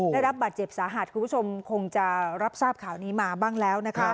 ได้รับบาดเจ็บสาหัสคุณผู้ชมคงจะรับทราบข่าวนี้มาบ้างแล้วนะคะ